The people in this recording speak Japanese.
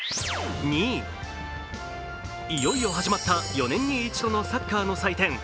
いよいよ始まった４年に１度のサッカーの祭典、ＦＩＦＡ